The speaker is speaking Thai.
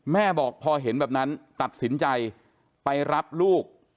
แม่บอกพอเห็นแบบนั้นตัดสินใจไปรับลูก